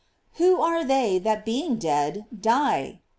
"f Who are they that being dead, die?